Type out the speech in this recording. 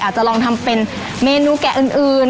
อาจจะลองทำเป็นเมนูแกะอื่น